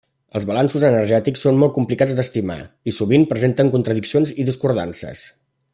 Els balanços energètics són molt complicats d'estimar i sovint presenten contradiccions i discordances.